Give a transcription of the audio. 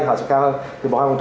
họ sẽ cao hơn